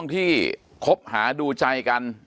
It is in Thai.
ที่คบหาดูใจกัน